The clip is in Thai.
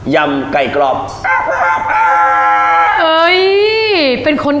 ำไก่กรอบ